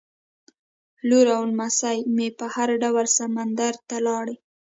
لور او نمسۍ مې په هر ډول سمندر ته لاړې.